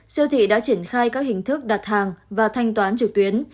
siêu thị đã triển khai các hình thức đặt hàng và thanh toán trực tuyến